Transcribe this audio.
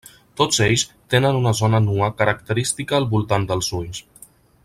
Tots ells tenen una zona nua característica al voltant dels ulls.